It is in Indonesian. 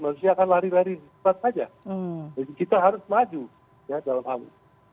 mengatakan bahwa mereka tidak bisa menjaga kepentingan mereka sendiri